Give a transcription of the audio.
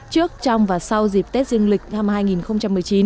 trước trong và sau dịp tết dương lịch năm hai nghìn một mươi chín